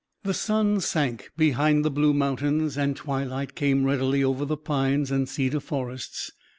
The sun sank behind the blue mountains, and twilight came readily over the pine and cedar forests.